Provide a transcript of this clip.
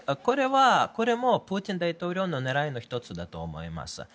これもプーチン大統領の狙いの１つだと思います。